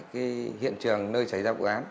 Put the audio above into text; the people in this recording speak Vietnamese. cái hiện trường nơi xảy ra vụ án